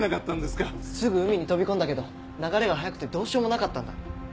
すぐ海に飛び込んだけど流れが速くてどうしようもなかったんだ。